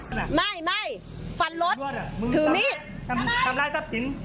อ้าวเอาให้เกินเลยอ้าวไม่ไม่ฟันรถถือมีดทำร้ายทรัพย์สิน